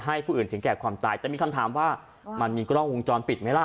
ผู้อื่นถึงแก่ความตายแต่มีคำถามว่ามันมีกล้องวงจรปิดไหมล่ะ